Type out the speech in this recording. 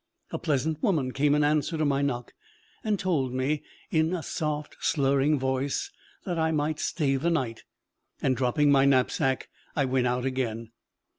A pleasant woman came in answer to my knock, and told me, in a soft, slurring voice, that I might stay the night; and dropping my knapsack, I went out again.